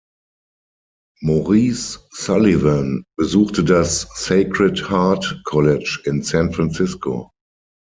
Maurice Sullivan besuchte das "Sacred Heart College" in San Francisco.